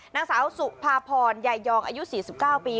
นางสาวสุภาพรยายยองอายุ๔๙ปี